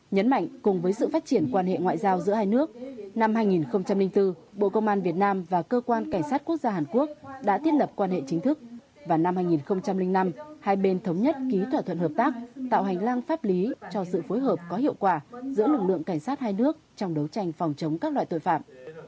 nhấn mạnh cùng với sự phát triển quan hệ ngoại giao giữa hai nước năm hai nghìn bốn bộ công an việt nam và cơ quan cảnh sát quốc gia hàn quốc đã thiết lập quan hệ chính thức và năm hai nghìn năm hai bên thống nhất ký thỏa thuận hợp tác tạo hành lang pháp lý cho sự phối hợp có hiệu quả giữa lực lượng cảnh sát hai nước trong đấu tranh phòng chống các loại tội phạm